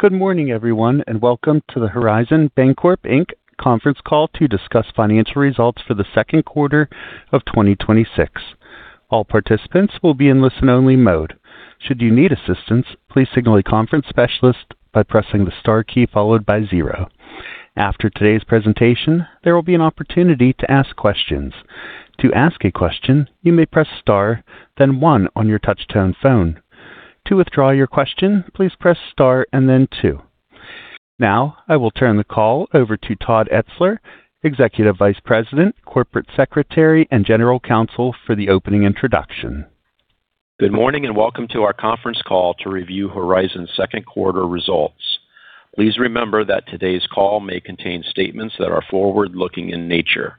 Good morning, everyone, and welcome to the Horizon Bancorp, Inc. conference call to discuss financial results for the Q2 of 2026. All participants will be in listen-only mode. Should you need assistance, please signal a conference specialist by pressing the star key followed by zero. After today's presentation, there will be an opportunity to ask questions. To ask a question, you may press star, then one on your touch-tone phone. To withdraw your question, please press star and then two. Now I will turn the call over to Todd Etzler, Executive Vice President, Corporate Secretary, and General Counsel for the opening introduction. Good morning, and welcome to our conference call to review Horizon's Q2 results. Please remember that today's call may contain statements that are forward-looking in nature.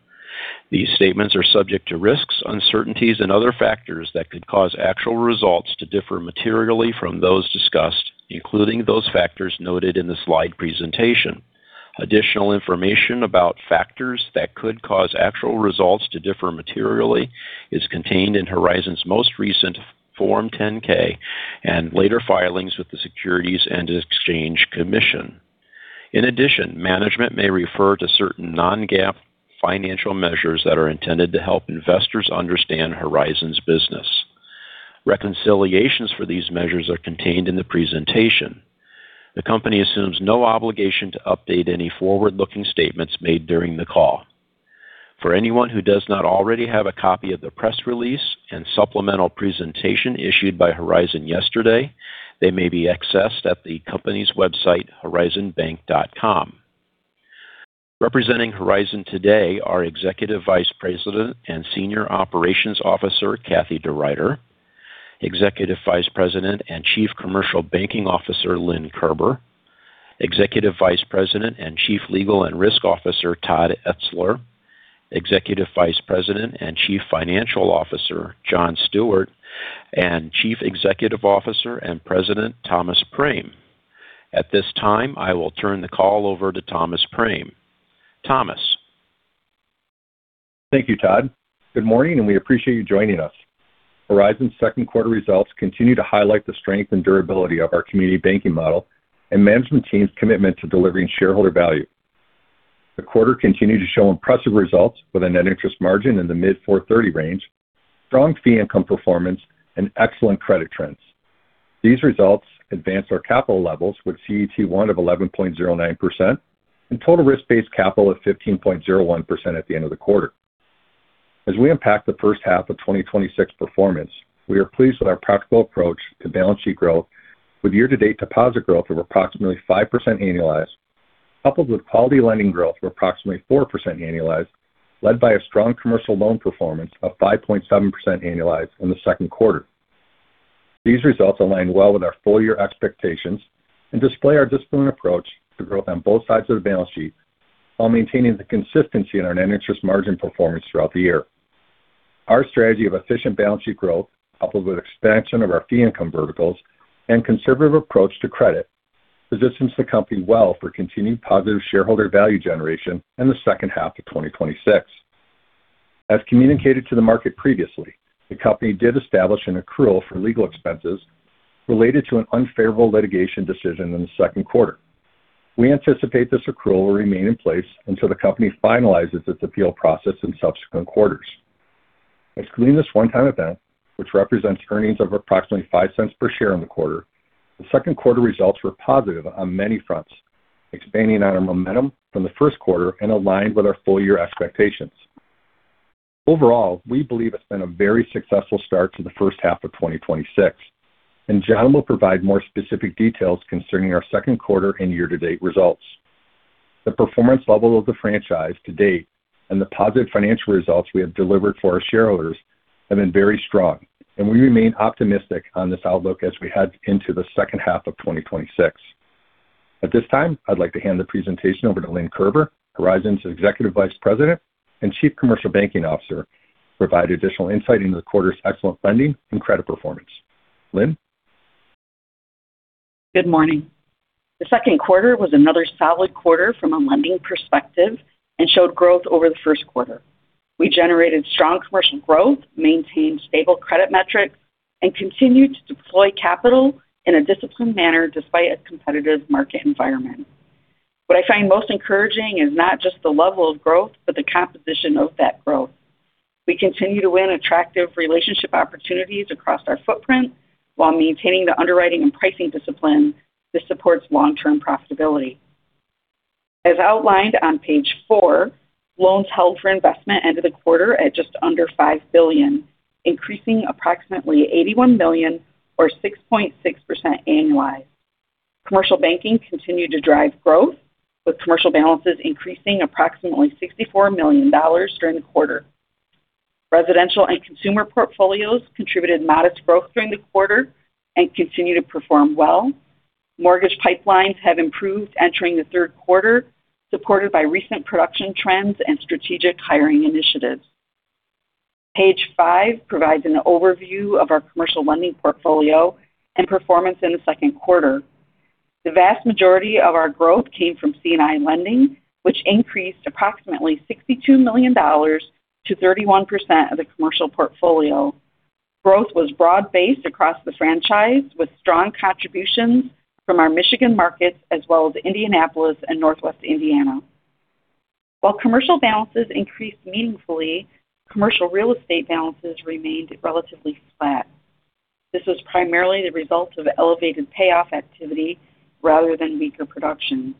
These statements are subject to risks, uncertainties, and other factors that could cause actual results to differ materially from those discussed, including those factors noted in the slide presentation. Additional information about factors that could cause actual results to differ materially is contained in Horizon's most recent Form 10-K and later filings with the Securities and Exchange Commission. In addition, management may refer to certain non-GAAP financial measures that are intended to help investors understand Horizon's business. Reconciliations for these measures are contained in the presentation. The company assumes no obligation to update any forward-looking statements made during the call. For anyone who does not already have a copy of the press release and supplemental presentation issued by Horizon yesterday, they may be accessed at the company's website, horizonbank.com. Representing Horizon today are Executive Vice President and Senior Operations Officer Kathie DeRuiter, Executive Vice President and Chief Commercial Banking Officer Lynn Kerber, Executive Vice President and Chief Legal and Risk Officer Todd Etzler, Executive Vice President and Chief Financial Officer John Stewart, and Chief Executive Officer and President Thomas Prame. At this time, I will turn the call over to Thomas Prame. Thomas. Thank you, Todd. Good morning, and we appreciate you joining us. Horizon's Q2 results continue to highlight the strength and durability of our community banking model and management team's commitment to delivering shareholder value. The quarter continued to show impressive results with a net interest margin in the mid 430 range, strong fee income performance, and excellent credit trends. These results advance our capital levels with CET1 of 11.09% and total risk-based capital of 15.01% at the end of the quarter. As we impact the H1 of 2026 performance, we are pleased with our practical approach to balance sheet growth with year-to-date deposit growth of approximately 5% annualized, coupled with quality lending growth of approximately 4% annualized, led by a strong commercial loan performance of 5.7% annualized in the Q2. These results align well with our full-year expectations and display our disciplined approach to growth on both sides of the balance sheet while maintaining the consistency in our net interest margin performance throughout the year. Our strategy of efficient balance sheet growth, coupled with expansion of our fee income verticals and conservative approach to credit, positions the company well for continued positive shareholder value generation in the H2 of 2026. As communicated to the market previously, the company did establish an accrual for legal expenses related to an unfavorable litigation decision in the Q2. We anticipate this accrual will remain in place until the company finalizes its appeal process in subsequent quarters. Excluding this one-time event, which represents earnings of approximately $0.05 per share in the quarter, the Q2 results were positive on many fronts, expanding on our momentum from the Q1 and aligned with our full-year expectations. Overall, we believe it's been a very successful start to the H1 of 2026, and John will provide more specific details concerning our Q2 and year-to-date results. The performance level of the franchise to date and the positive financial results we have delivered for our shareholders have been very strong, and we remain optimistic on this outlook as we head into the H2 of 2026. At this time, I'd like to hand the presentation over to Lynn Kerber, Horizon's Executive Vice President and Chief Commercial Banking Officer, to provide additional insight into the quarter's excellent lending and credit performance. Lynn? Good morning. The Q2 was another solid quarter from a lending perspective and showed growth over the Q1. We generated strong commercial growth, maintained stable credit metrics, and continued to deploy capital in a disciplined manner despite a competitive market environment. What I find most encouraging is not just the level of growth but the composition of that growth. We continue to win attractive relationship opportunities across our footprint while maintaining the underwriting and pricing discipline that supports long-term profitability. As outlined on page four, loans held for investment ended the quarter at just under $5 billion, increasing approximately $81 million or 6.6% annualized. Commercial banking continued to drive growth, with commercial balances increasing approximately $64 million during the quarter. Residential and consumer portfolios contributed modest growth during the quarter and continue to perform well. Mortgage pipelines have improved entering the Q3, supported by recent production trends and strategic hiring initiatives. Page five provides an overview of our commercial lending portfolio and performance in the Q2. The vast majority of our growth came from C&I lending, which increased approximately $62 million to 31% of the commercial portfolio. Growth was broad-based across the franchise, with strong contributions from our Michigan markets as well as Indianapolis and Northwest Indiana. While commercial balances increased meaningfully, commercial real estate balances remained relatively flat. This was primarily the result of elevated payoff activity rather than weaker production.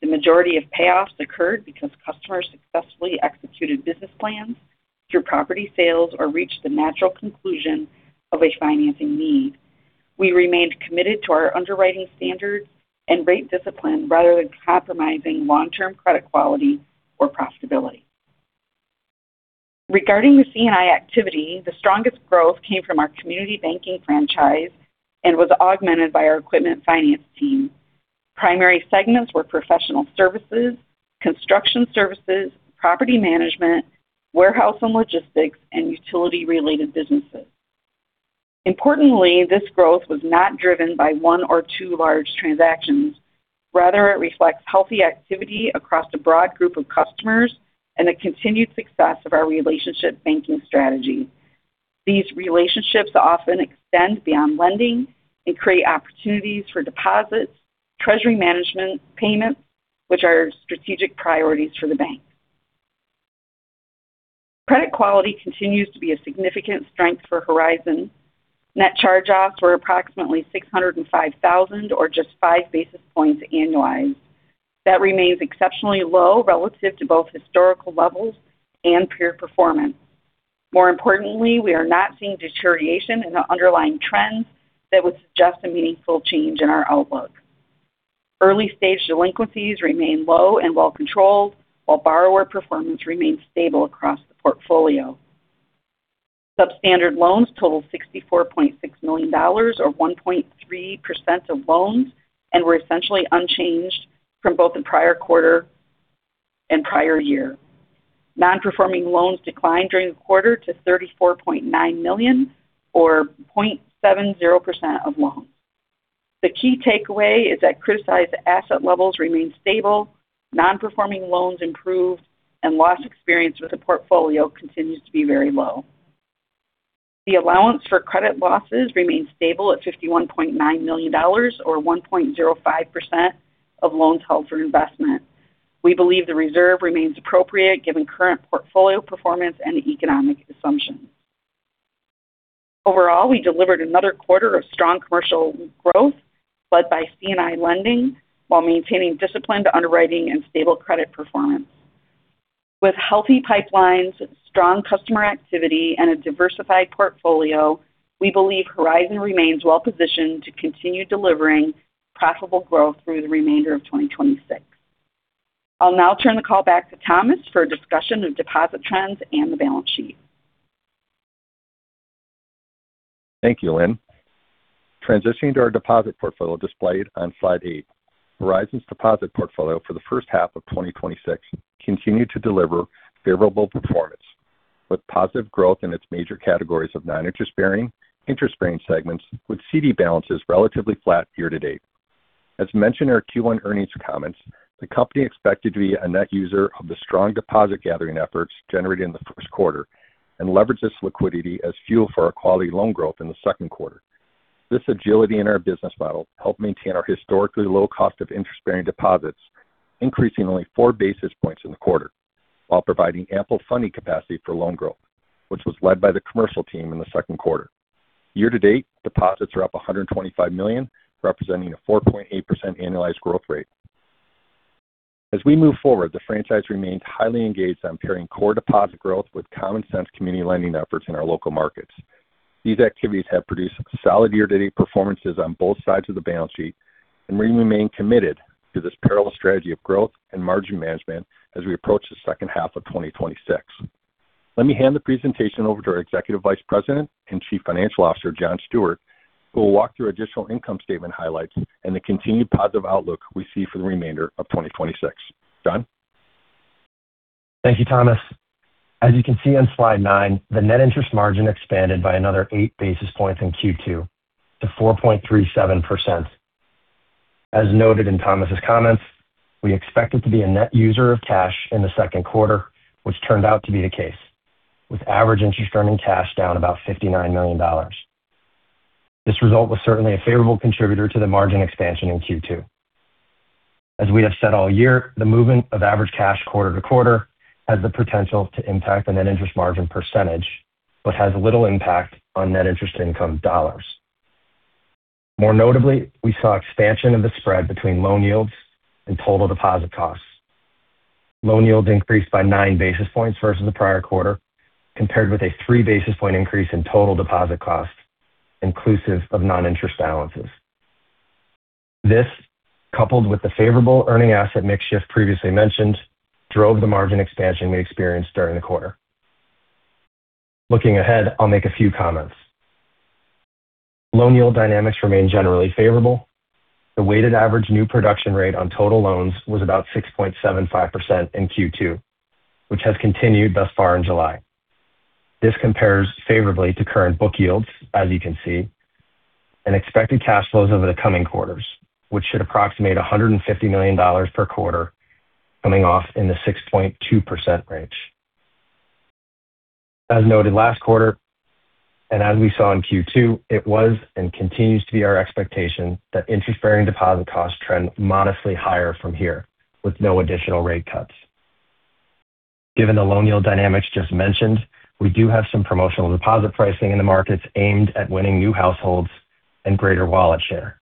The majority of payoffs occurred because customers successfully executed business plans through property sales or reached the natural conclusion of a financing need. We remained committed to our underwriting standards and rate discipline rather than compromising long-term credit quality or profitability. Regarding the C&I activity, the strongest growth came from our community banking franchise and was augmented by our equipment finance team. Primary segments were professional services, construction services, property management, warehouse and logistics, and utility-related businesses. Importantly, this growth was not driven by one or two large transactions. Rather, it reflects healthy activity across a broad group of customers and the continued success of our relationship banking strategy. These relationships often extend beyond lending and create opportunities for deposits, treasury management payments, which are strategic priorities for the bank. Credit quality continues to be a significant strength for Horizon. Net charge-offs were approximately $605,000, or just five basis points annualized. That remains exceptionally low relative to both historical levels and peer performance. More importantly, we are not seeing deterioration in the underlying trends that would suggest a meaningful change in our outlook. Early-stage delinquencies remain low and well-controlled, while borrower performance remains stable across the portfolio. Substandard loans total $64.6 million, or 1.3% of loans, and were essentially unchanged from both the prior quarter and prior year. Non-performing loans declined during the quarter to $34.9 million, or 0.70% of loans. The key takeaway is that criticized asset levels remain stable, non-performing loans improved, and loss experience with the portfolio continues to be very low. The allowance for credit losses remains stable at $51.9 million, or 1.05% of loans held for investment. We believe the reserve remains appropriate given current portfolio performance and economic assumptions. Overall, we delivered another quarter of strong commercial growth led by C&I lending while maintaining disciplined underwriting and stable credit performance. With healthy pipelines, strong customer activity, and a diversified portfolio, we believe Horizon remains well positioned to continue delivering profitable growth through the remainder of 2026. I'll now turn the call back to Thomas for a discussion of deposit trends and the balance sheet. Thank you, Lynn. Transitioning to our deposit portfolio displayed on slide eight. Horizon's deposit portfolio for the H1 of 2026 continued to deliver favorable performance with positive growth in its major categories of non-interest-bearing, interest-bearing segments with CD balances relatively flat year to date. As mentioned in our Q1 earnings comments, the company expected to be a net user of the strong deposit gathering efforts generated in the Q1 and leverage this liquidity as fuel for our quality loan growth in the Q2. This agility in our business model helped maintain our historically low cost of interest-bearing deposits, increasing only four basis points in the quarter, while providing ample funding capacity for loan growth, which was led by the commercial team in the Q2. Year to date, deposits are up $125 million, representing a 4.8% annualized growth rate. As we move forward, the franchise remains highly engaged on pairing core deposit growth with common sense community lending efforts in our local markets. These activities have produced solid year-to-date performances on both sides of the balance sheet, and we remain committed to this parallel strategy of growth and margin management as we approach the H2 of 2026. Let me hand the presentation over to our Executive Vice President and Chief Financial Officer, John Stewart, who will walk through additional income statement highlights and the continued positive outlook we see for the remainder of 2026. John? Thank you, Thomas. As you can see on slide nine, the net interest margin expanded by another eight basis points in Q2 to 4.37%. As noted in Thomas's comments, we expected to be a net user of cash in the Q2, which turned out to be the case, with average interest earning cash down about $59 million. This result was certainly a favorable contributor to the margin expansion in Q2. As we have said all year, the movement of average cash quarter to quarter has the potential to impact the net interest margin percentage but has little impact on net interest income dollars. More notably, we saw expansion of the spread between loan yields and total deposit costs. Loan yields increased by nine basis points versus the prior quarter, compared with a three basis point increase in total deposit cost, inclusive of non-interest balances. This, coupled with the favorable earning asset mix shift previously mentioned, drove the margin expansion we experienced during the quarter. Looking ahead, I'll make a few comments. Loan yield dynamics remain generally favorable. The weighted average new production rate on total loans was about 6.75% in Q2, which has continued thus far in July. This compares favorably to current book yields, as you can see. Expected cash flows over the coming quarters, which should approximate $150 million per quarter coming off in the 6.2% range. As noted last quarter, and as we saw in Q2, it was and continues to be our expectation that interest-bearing deposit costs trend modestly higher from here, with no additional rate cuts. Given the loan yield dynamics just mentioned, we do have some promotional deposit pricing in the markets aimed at winning new households and greater wallet share.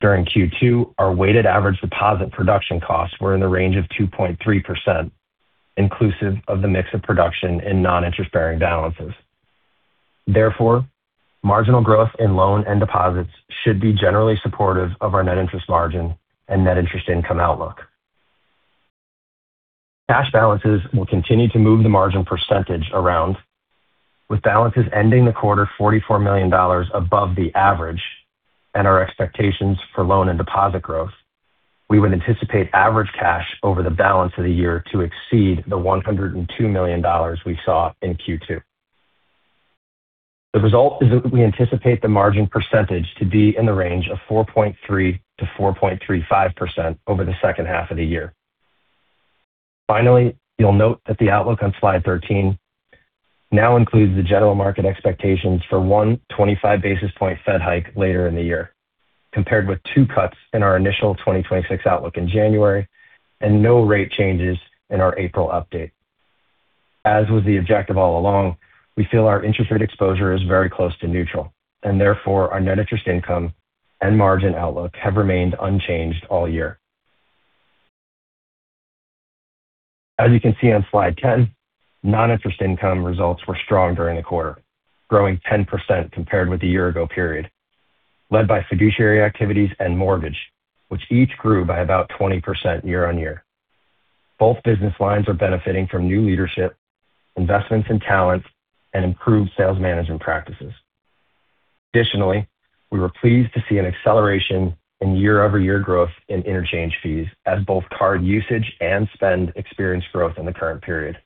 During Q2, our weighted average deposit production costs were in the range of 2.3%, inclusive of the mix of production in non-interest-bearing balances. Therefore, marginal growth in loan and deposits should be generally supportive of our net interest margin and net interest income outlook. Cash balances will continue to move the margin percentage around, with balances ending the quarter $44 million above the average and our expectations for loan and deposit growth. We would anticipate average cash over the balance of the year to exceed the $102 million we saw in Q2. The result is that we anticipate the margin percentage to be in the range of 4.3%-4.35% over the H2 of the year. Finally, you'll note that the outlook on slide 13 now includes the general market expectations for one 25-basis-point Fed hike later in the year, compared with two cuts in our initial 2026 outlook in January and no rate changes in our April update. As was the objective all along, we feel our interest rate exposure is very close to neutral and therefore, our net interest income and margin outlook have remained unchanged all year. As you can see on slide 10, non-interest income results were strong during the quarter, growing 10% compared with the year-on-year period, led by fiduciary activities and mortgage, which each grew by about 20% year-on-year. Both business lines are benefiting from new leadership, investments in talent, and improved sales management practices. We were pleased to see an acceleration in year-over-year growth in interchange fees as both card usage and spend experienced growth in the current period.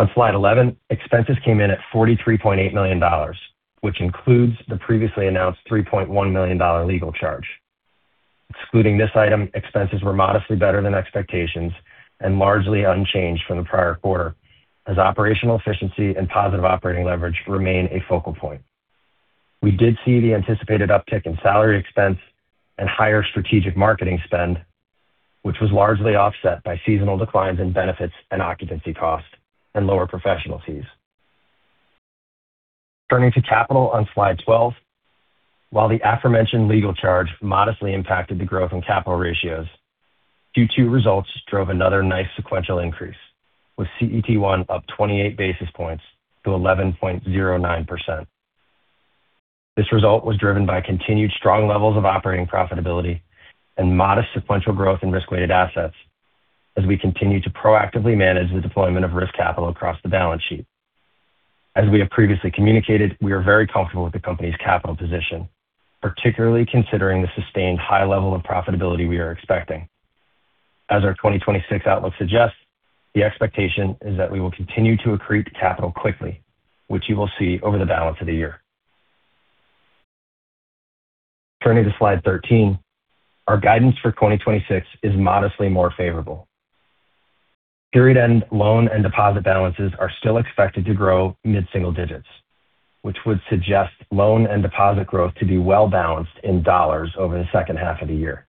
On slide 11, expenses came in at $43.8 million, which includes the previously announced $3.1 million legal charge. Excluding this item, expenses were modestly better than expectations and largely unchanged from the prior quarter as operational efficiency and positive operating leverage remain a focal point. We did see the anticipated uptick in salary expense and higher strategic marketing spend, which was largely offset by seasonal declines in benefits and occupancy costs and lower professional fees. Turning to capital on slide 12. While the aforementioned legal charge modestly impacted the growth in capital ratios, Q2 results drove another nice sequential increase, with CET1 up 28 basis points to 11.09%. This result was driven by continued strong levels of operating profitability and modest sequential growth in risk-weighted assets as we continue to proactively manage the deployment of risk capital across the balance sheet. As we have previously communicated, we are very comfortable with the company's capital position, particularly considering the sustained high level of profitability we are expecting. As our 2026 outlook suggests, the expectation is that we will continue to accrete the capital quickly, which you will see over the balance of the year. Turning to slide 13, our guidance for 2026 is modestly more favorable. Period-end loan and deposit balances are still expected to grow mid-single digits, which would suggest loan and deposit growth to be well balanced in dollars over the H2 of the year.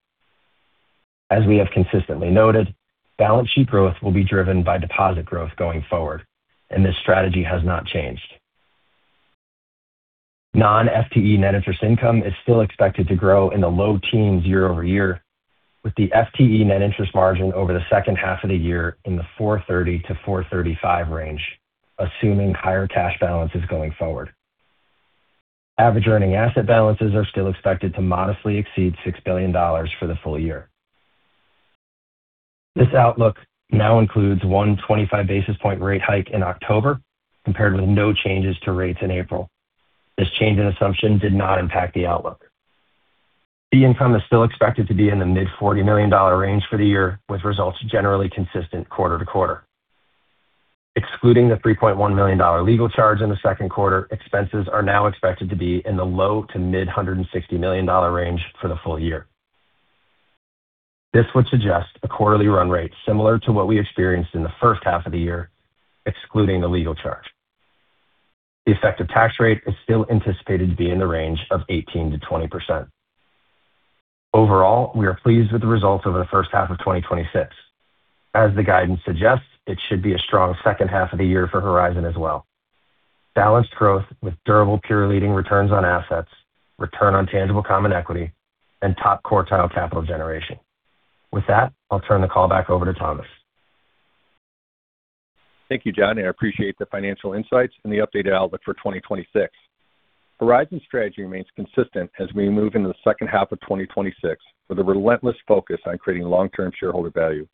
As we have consistently noted, balance sheet growth will be driven by deposit growth going forward, this strategy has not changed. Non-FTE net interest income is still expected to grow in the low teens year-over-year, with the FTE net interest margin over the H2 of the year in the 430 to 435 range, assuming higher cash balances going forward. Average earning asset balances are still expected to modestly exceed $6 billion for the full year. This outlook now includes one 25-basis-point rate hike in October, compared with no changes to rates in April. This change in assumption did not impact the outlook. Fee income is still expected to be in the mid-$40 million range for the year, with results generally consistent quarter-to-quarter. Excluding the $3.1 million legal charge in the Q2, expenses are now expected to be in the low to mid $160 million range for the full year. This would suggest a quarterly run rate similar to what we experienced in the H1 of the year, excluding the legal charge. The effective tax rate is still anticipated to be in the range of 18%-20%. Overall, we are pleased with the results of the H1 of 2026. As the guidance suggests, it should be a strong H2 of the year for Horizon as well. Balanced growth with durable peer-leading returns on assets, return on tangible common equity, and top-quartile capital generation. With that, I'll turn the call back over to Thomas. Thank you, John, I appreciate the financial insights and the updated outlook for 2026. Horizon's strategy remains consistent as we move into the H2 of 2026 with a relentless focus on creating long-term shareholder value.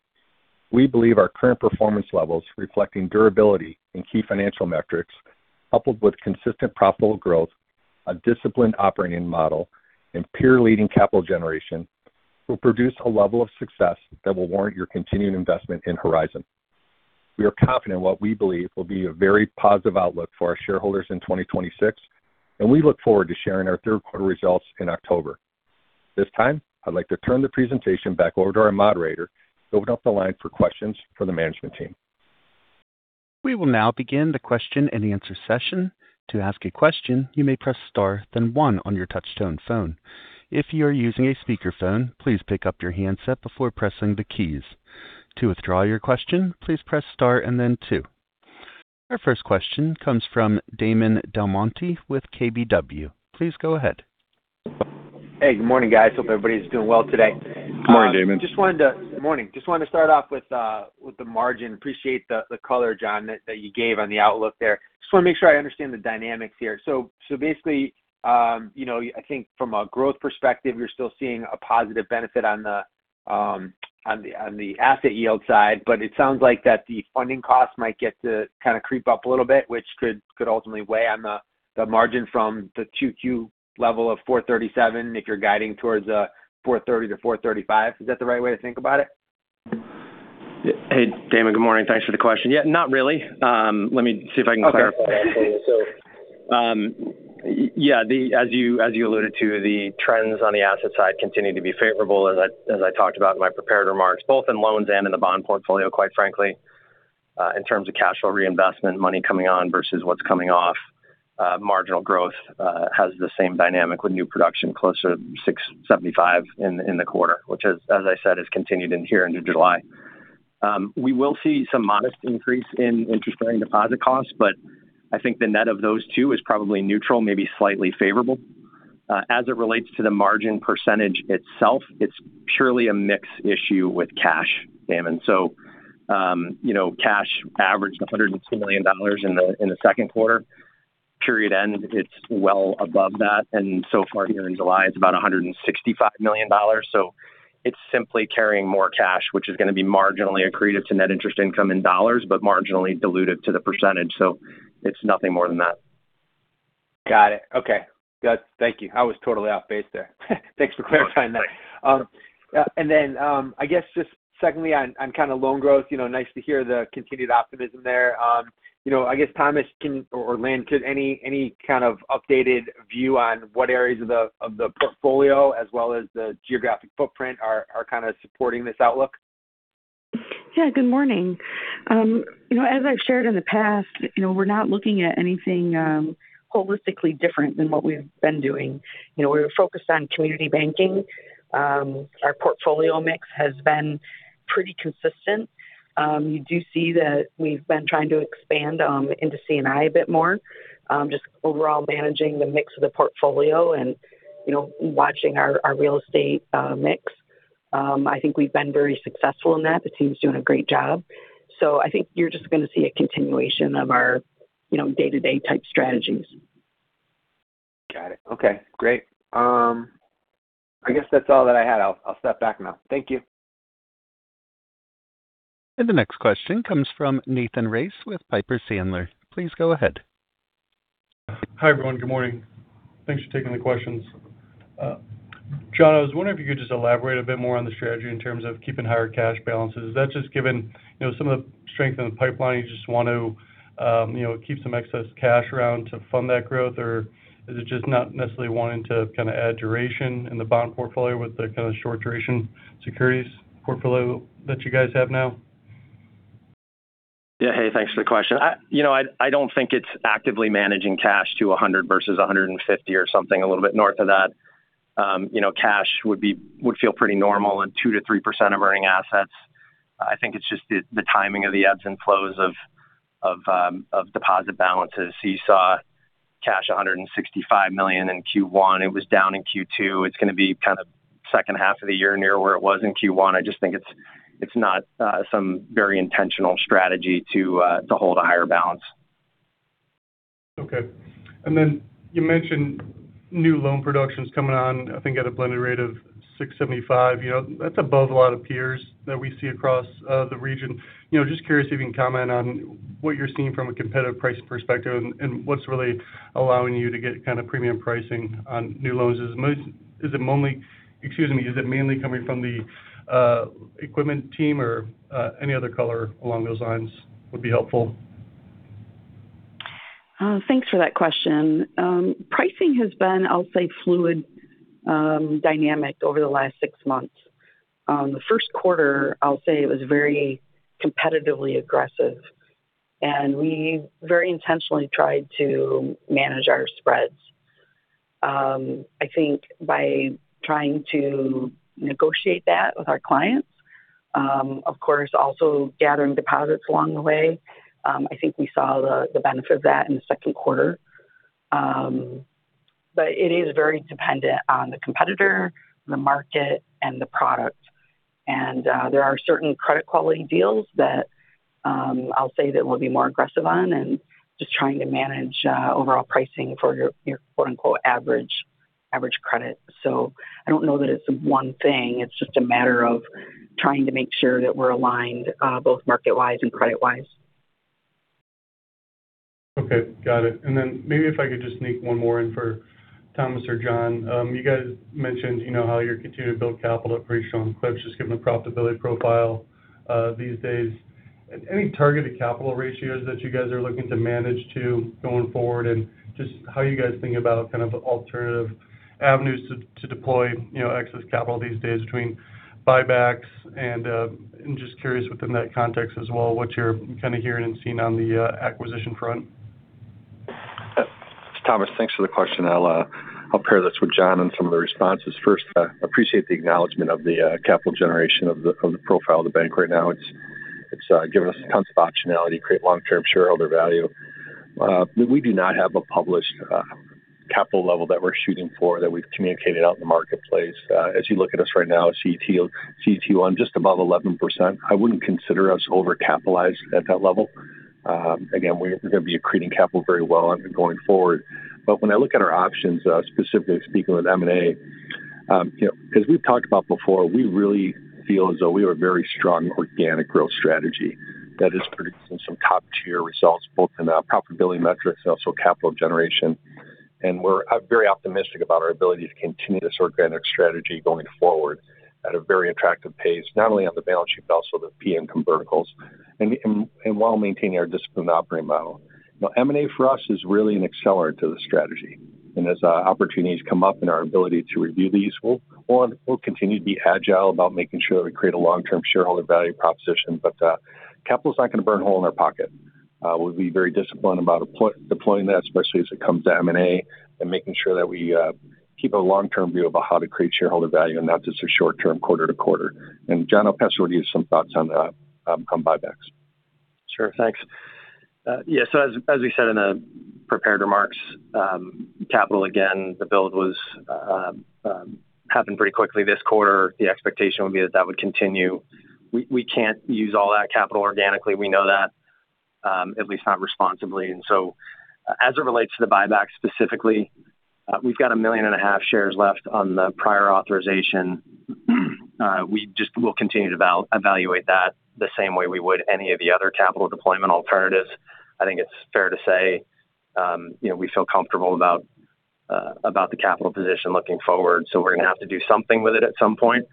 We believe our current performance levels reflecting durability in key financial metrics, coupled with consistent profitable growth, a disciplined operating model, and peer-leading capital generation, will produce a level of success that will warrant your continued investment in Horizon. We are confident in what we believe will be a very positive outlook for our shareholders in 2026, and we look forward to sharing ourQ3 results in October. At this time, I'd like to turn the presentation back over to our moderator to open up the line for questions for the management team. We will now begin the question and answer session. To ask a question, you may press star, then one on your touchtone phone. If you are using a speakerphone, please pick up your handset before pressing the keys. To withdraw your question, please press star and then two. Our first question comes from Damon DelMonte with KBW. Please go ahead. Good morning, guys. Hope everybody's doing well today. Morning, Damon. Morning. Just wanted to start off with the margin. Appreciate the color, John, that you gave on the outlook there. Just want to make sure I understand the dynamics here. Basically, I think from a growth perspective, you're still seeing a positive benefit on the asset yield side. It sounds like that the funding cost might get to kind of creep up a little bit, which could ultimately weigh on the margin from the Q2 level of 437 if you're guiding towards 430-435. Is that the right way to think about it? Damon, good morning. Thanks for the question. Yeah, not really. Let me see if I can clarify. Okay. Yeah. As you alluded to, the trends on the asset side continue to be favorable as I talked about in my prepared remarks, both in loans and in the bond portfolio, quite frankly. In terms of cash flow reinvestment, money coming on versus what's coming off. Marginal growth has the same dynamic with new production closer to 675 in the quarter, which as I said, has continued in here into July. We will see some modest increase in interest-bearing deposit costs, but I think the net of those two is probably neutral, maybe slightly favorable. As it relates to the margin percentage itself, it's purely a mix issue with cash, Damon. Cash averaged $102 million in the Q2. Period end, it's well above that, and so far here in July, it's about $165 million. It's simply carrying more cash, which is going to be marginally accretive to net interest income in dollars, but marginally dilutive to the percentage. It's nothing more than that. Got it. Okay. Thank you. I was totally off base there. Thanks for clarifying that. I guess just secondly on kind of loan growth, nice to hear the continued optimism there. I guess, Thomas or Lynn, any kind of updated view on what areas of the portfolio as well as the geographic footprint are kind of supporting this outlook? Yeah. Good morning. As I've shared in the past, we're not looking at anything holistically different than what we've been doing. We're focused on community banking. Our portfolio mix has been pretty consistent. You do see that we've been trying to expand into C&I a bit more. Just overall managing the mix of the portfolio and watching our real estate mix. I think we've been very successful in that. The team's doing a great job. I think you're just going to see a continuation of our day-to-day type strategies. Got it. Okay, great. I guess that's all that I had. I'll step back now. Thank you. The next question comes from Nathan Race with Piper Sandler. Please go ahead. Hi, everyone. Good morning. Thanks for taking the questions. John, I was wondering if you could just elaborate a bit more on the strategy in terms of keeping higher cash balances. Is that just given some of the strength in the pipeline, you just want to keep some excess cash around to fund that growth? Or is it just not necessarily wanting to kind of add duration in the bond portfolio with the kind of short duration securities portfolio that you guys have now? Yeah. Hey, thanks for the question. I don't think it's actively managing cash to $100 versus $150 or something a little bit north of that. Cash would feel pretty normal at 2%-3% of earning assets. I think it's just the timing of the ebbs and flows of deposit balances. You saw cash $165 million in Q1. It was down in Q2. It's going to be kind of H2 of the year near where it was in Q1. I just think it's not some very intentional strategy to hold a higher balance. Okay. Then you mentioned new loan productions coming on, I think at a blended rate of 675. That's above a lot of peers that we see across the region. Just curious if you can comment on what you're seeing from a competitive pricing perspective and what's really allowing you to get kind of premium pricing on new loans. Is it mainly coming from the equipment team or any other color along those lines would be helpful. Thanks for that question. Pricing has been, I'll say, fluid dynamic over the last six months. The Q1, I'll say it was very competitively aggressive. We very intentionally tried to manage our spreads. I think by trying to negotiate that with our clients. Of course, also gathering deposits along the way. I think we saw the benefit of that in the Q2. It is very dependent on the competitor, the market and the product. There are certain credit quality deals that I'll say that we'll be more aggressive on and just trying to manage overall pricing for your "average credit." I don't know that it's one thing. It's just a matter of trying to make sure that we're aligned both market-wise and credit-wise. Okay, got it. Then maybe if I could just sneak one more in for Thomas or John. You guys mentioned how you're continuing to build capital pretty strongly, just given the profitability profile these days. Any targeted capital ratios that you guys are looking to manage to going forward? Just how are you guys thinking about alternative avenues to deploy excess capital these days between buybacks and I'm just curious within that context as well, what you're kind of hearing and seeing on the acquisition front? It's Thomas. Thanks for the question. I'll pair this with John on some of the responses. First, appreciate the acknowledgement of the capital generation of the profile of the bank right now. It's given us tons of optionality to create long-term shareholder value. We do not have a published capital level that we're shooting for that we've communicated out in the marketplace. As you look at us right now, CET1 just above 11%. I wouldn't consider us overcapitalized at that level. Again, we're going to be accreting capital very well going forward. When I look at our options, specifically speaking with M&A, as we've talked about before, we really feel as though we have a very strong organic growth strategy that is producing some top-tier results, both in our profitability metrics and also capital generation. We're very optimistic about our ability to continue this organic strategy going forward at a very attractive pace, not only on the balance sheet, but also the fee income verticals, while maintaining our disciplined operating model. M&A for us is really an accelerant to the strategy. As opportunities come up in our ability to review these, we'll continue to be agile about making sure that we create a long-term shareholder value proposition. Capital's not going to burn a hole in our pocket. We'll be very disciplined about deploying that, especially as it comes to M&A and making sure that we keep a long-term view about how to create shareholder value and not just a short term quarter to quarter. John, I'll pass it over to you with some thoughts on buybacks. Sure. Thanks. As we said in the prepared remarks, capital again, the build was happening pretty quickly this quarter. The expectation would be that that would continue. We can't use all that capital organically. We know that. At least not responsibly. As it relates to the buyback specifically, we've got 1.5 million shares left on the prior authorization. We just will continue to evaluate that the same way we would any of the other capital deployment alternatives. I think it's fair to say we feel comfortable about the capital position looking forward. We're going to have to do something with it at some point.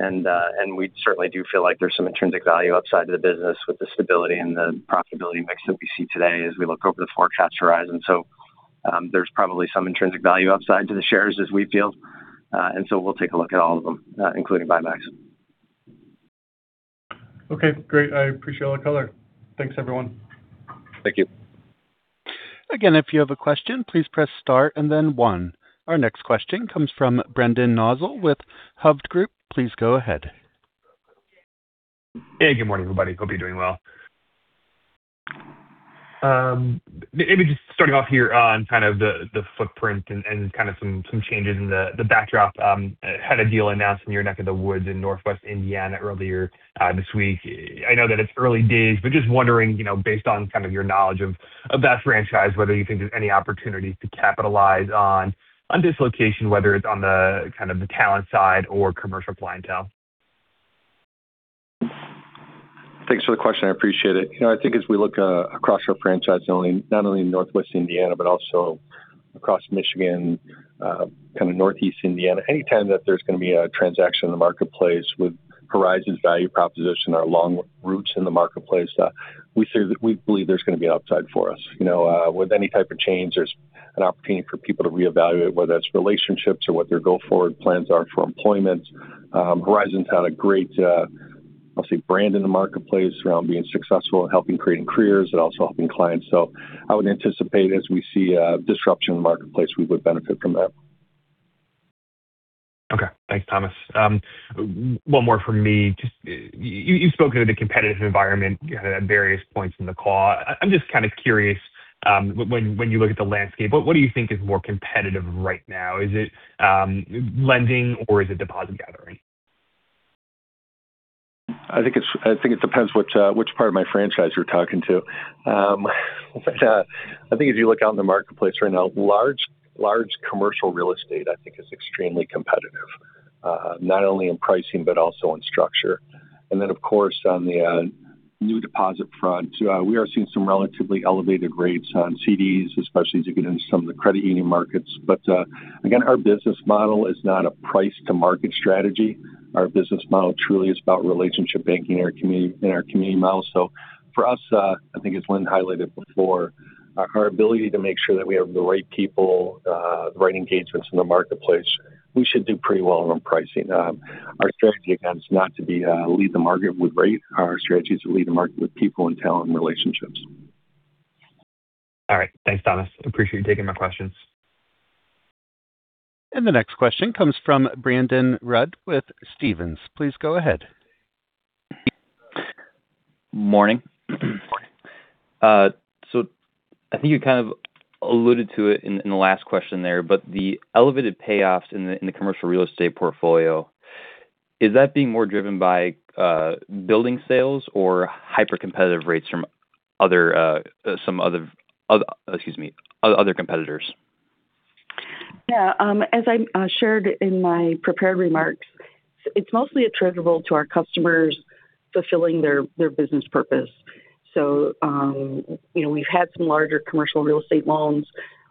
We certainly do feel like there's some intrinsic value upside to the business with the stability and the profitability mix that we see today as we look over the forecast horizon. There's probably some intrinsic value upside to the shares as we feel. We'll take a look at all of them, including buybacks. Okay, great. I appreciate all the color. Thanks, everyone. Thank you. If you have a question, please press star and then one. Our next question comes from Brendan Nosal with Hovde Group. Please go ahead. Hey, good morning, everybody. Hope you're doing well. Maybe just starting off here on kind of the footprint and kind of some changes in the backdrop. Had a deal announced in your neck of the woods in Northwest Indiana earlier this week. I know that it's early days, but just wondering, based on kind of your knowledge of that franchise, whether you think there's any opportunities to capitalize on this location, whether it's on the talent side or commercial clientele. Thanks for the question. I appreciate it. I think as we look across our franchise, not only in Northwest Indiana, but also across Michigan, kind of Northeast Indiana, anytime that there's going to be a transaction in the marketplace with Horizon's value proposition, our long roots in the marketplace, we believe there's going to be an upside for us. With any type of change, there's an opportunity for people to reevaluate, whether that's relationships or what their go-forward plans are for employment. Horizon's had a great brand in the marketplace around being successful in helping creating careers and also helping clients. I would anticipate as we see disruption in the marketplace, we would benefit from that. Okay. Thanks, Thomas. One more from me. You spoke of the competitive environment at various points in the call. I'm just kind of curious, when you look at the landscape, what do you think is more competitive right now? Is it lending or is it deposit gathering? I think it depends which part of my franchise you're talking to. I think if you look out in the marketplace right now, large commercial real estate, I think is extremely competitive. Not only in pricing, but also in structure. Of course, on the new deposit front, we are seeing some relatively elevated rates on CDs, especially as you get into some of the credit union markets. Again, our business model is not a price to market strategy. Our business model truly is about relationship banking in our community model. For us, I think as Lynn highlighted before, our ability to make sure that we have the right people, the right engagements in the marketplace, we should do pretty well on pricing. Our strategy, again, is not to lead the market with rate. Our strategy is to lead the market with people and talent and relationships. All right. Thanks, Thomas. Appreciate you taking my questions. The next question comes from Brandon Rud with Stephens. Please go ahead. Morning. I think you kind of alluded to it in the last question there, but the elevated payoffs in the commercial real estate portfolio, is that being more driven by building sales or hyper-competitive rates from other competitors? As I shared in my prepared remarks, it's mostly attributable to our customers fulfilling their business purpose. We've had some larger commercial real estate loans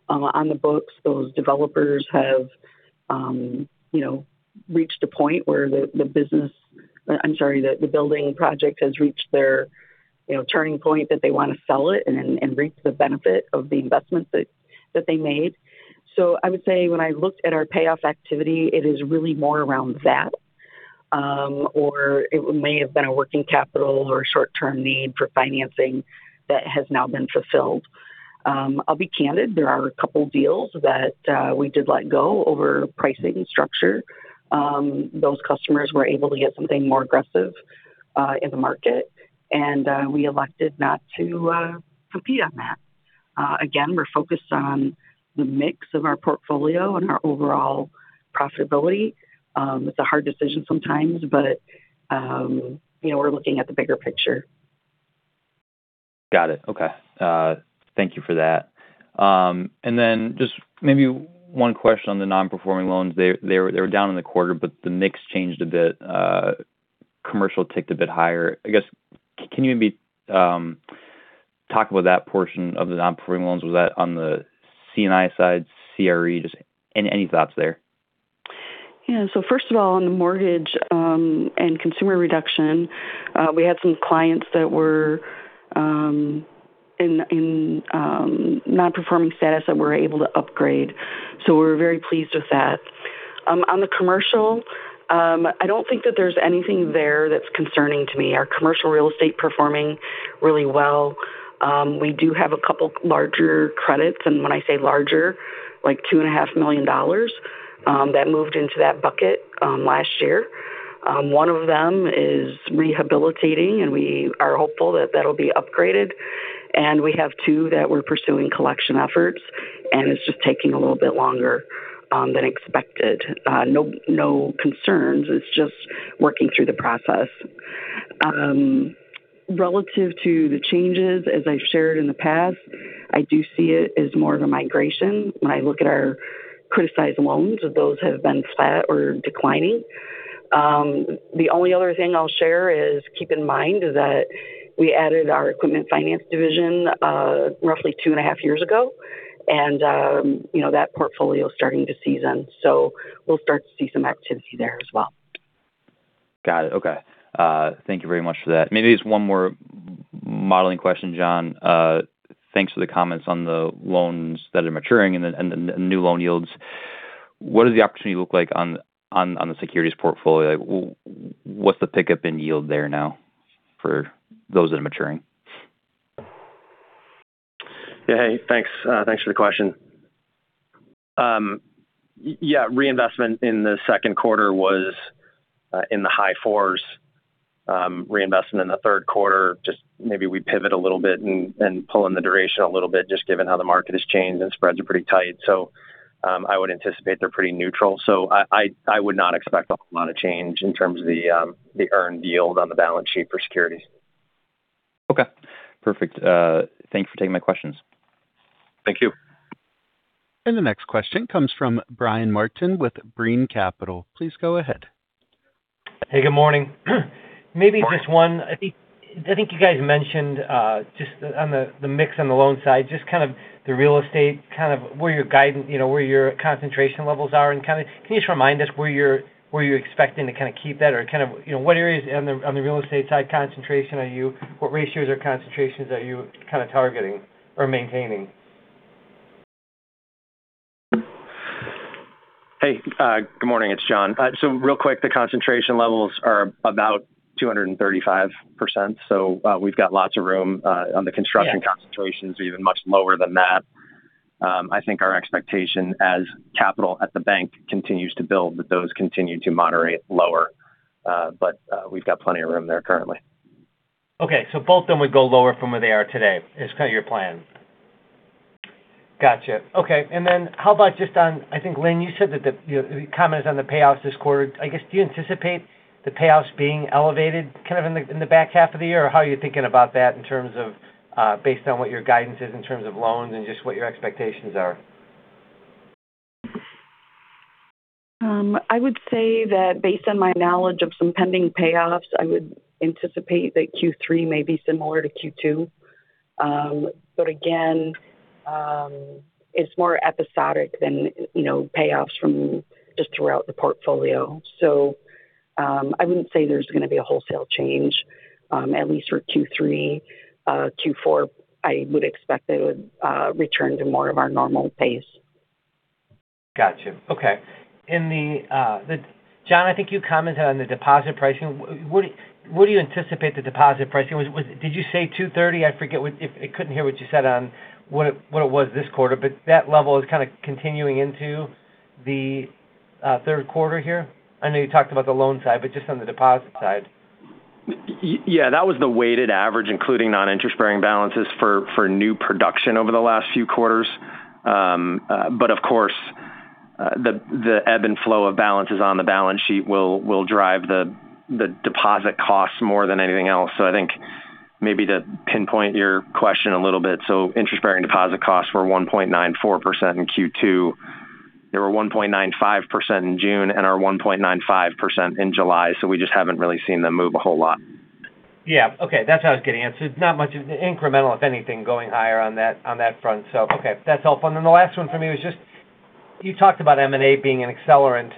on the books. Those developers have reached a point where the building project has reached their turning point that they want to sell it and reap the benefit of the investments that they made. I would say, when I looked at our payoff activity, it is really more around that. Or it may have been a working capital or a short-term need for financing that has now been fulfilled. I'll be candid, there are a couple deals that we did let go over pricing structure. Those customers were able to get something more aggressive in the market, and we elected not to compete on that. Again, we're focused on the mix of our portfolio and our overall profitability. It's a hard decision sometimes, but we're looking at the bigger picture. Got it. Okay. Thank you for that. Just maybe one question on the non-performing loans. They were down in the quarter, but the mix changed a bit. Commercial ticked a bit higher. I guess, can you maybe talk about that portion of the non-performing loans? Was that on the C&I side, CRE? Just any thoughts there. Yeah. First of all, on the mortgage and consumer reduction, we had some clients that were in non-performing status that we're able to upgrade. We're very pleased with that. On the commercial, I don't think that there's anything there that's concerning to me. Our commercial real estate performing really well. We do have a couple larger credits, and when I say larger, like $2.5 million, that moved into that bucket last year. One of them is rehabilitating, and we are hopeful that that'll be upgraded. We have two that we're pursuing collection efforts, and it's just taking a little bit longer than expected. No concerns. It's just working through the process. Relative to the changes, as I've shared in the past, I do see it as more of a migration when I look at our criticized loans. Those have been flat or declining. The only other thing I'll share is, keep in mind that we added our equipment finance division roughly 2.5 years ago. That portfolio is starting to season. We'll start to see some activity there as well. Got it. Okay. Thank you very much for that. Maybe just one more modeling question, John. Thanks for the comments on the loans that are maturing and the new loan yields. What does the opportunity look like on the securities portfolio? What's the pickup in yield there now for those that are maturing? Hey, thanks. Thanks for the question. Reinvestment in the Q2 was in the high 4s. Reinvestment in the Q3, just maybe we pivot a little bit and pull in the duration a little bit just given how the market has changed and spreads are pretty tight. I would anticipate they're pretty neutral. I would not expect a whole lot of change in terms of the earned yield on the balance sheet for securities. Okay. Perfect. Thanks for taking my questions. Thank you. The next question comes from Brian Martin with Brean Capital. Please go ahead. Hey, good morning. Maybe just one. I think you guys mentioned just on the mix on the loan side, just kind of the real estate, where your concentration levels are. Can you just remind us where you're expecting to keep that? What areas on the real estate side concentration, what ratios or concentrations are you targeting or maintaining? Hey, good morning. It's John. Real quick, the concentration levels are about 235%. We've got lots of room. On the construction concentrations are even much lower than that. I think our expectation as capital at the bank continues to build, that those continue to moderate lower. We've got plenty of room there currently. Okay. Both of them would go lower from where they are today, is kind of your plan. Got you. Okay. How about just on, I think, Lynn, you said that the comments on the payoffs this quarter. I guess, do you anticipate the payoffs being elevated kind of in the back half of the year? How are you thinking about that in terms of based on what your guidance is in terms of loans and just what your expectations are? I would say that based on my knowledge of some pending payoffs, I would anticipate that Q3 may be similar to Q2. Again, it's more episodic than payoffs from just throughout the portfolio. I wouldn't say there's going to be a wholesale change, at least for Q3. Q4, I would expect it would return to more of our normal pace. Got you. Okay, John, I think you commented on the deposit pricing. What do you anticipate the deposit pricing was? Did you say 230? I forget. I couldn't hear what you said on what it was this quarter, but that level is kind of continuing into the Q3 here? I know you talked about the loan side, but just on the deposit side. Yeah. That was the weighted average, including non-interest-bearing balances for new production over the last few quarters. Of course, the ebb and flow of balances on the balance sheet will drive the deposit costs more than anything else. I think. Maybe to pinpoint your question a little bit. Interest bearing deposit costs were 1.94% in Q2. They were 1.95% in June and are 1.95% in July. We just haven't really seen them move a whole lot. Yeah. Okay. That's what I was getting at. It's not much incremental, if anything, going higher on that front. Okay, that's all. The last one from me was just, you talked about M&A being an accelerant.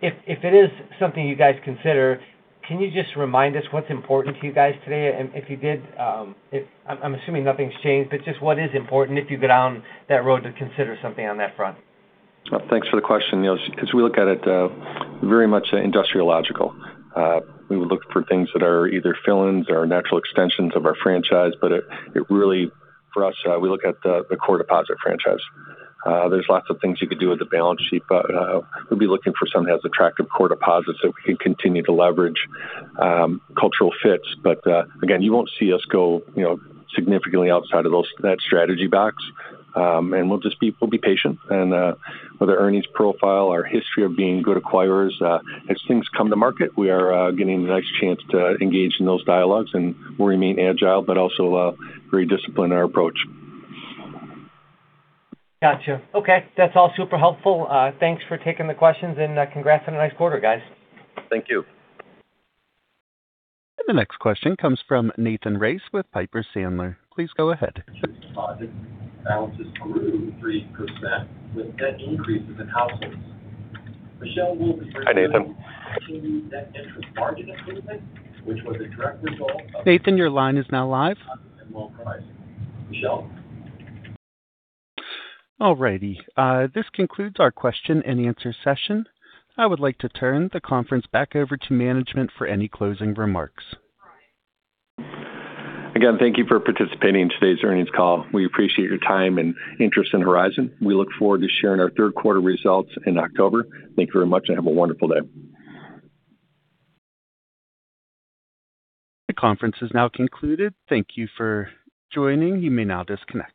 If it is something you guys consider, can you just remind us what's important to you guys today? If you did, I'm assuming nothing's changed, but just what is important if you go down that road to consider something on that front? Thanks for the question, Martin. We look at it very much industrially logical. We would look for things that are either fill-ins or natural extensions of our franchise, but it really, for us, we look at the core deposit franchise. There's lots of things you could do with the balance sheet, but we'll be looking for something that has attractive core deposits that we can continue to leverage cultural fits. Again, you won't see us go significantly outside of that strategy box. We'll just be patient and with our earnings profile, our history of being good acquirers as things come to market, we are getting a nice chance to engage in those dialogues and remain agile, but also very disciplined in our approach. Got you. Okay. That's all super helpful. Thanks for taking the questions and congrats on a nice quarter, guys. Thank you. The next question comes from Nathan Race with Piper Sandler. Please go ahead. Hi, Nathan. Nathan, your line is now live. All righty. This concludes our question and answer session. I would like to turn the conference back over to management for any closing remarks. Again, thank you for participating in today's earnings call. We appreciate your time and interest in Horizon. We look forward to sharing our Q3 results in October. Thank you very much and have a wonderful day. The conference is now concluded. Thank you for joining. You may now disconnect.